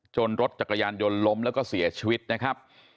รถจักรยานยนต์ล้มแล้วก็เสียชีวิตนะครับ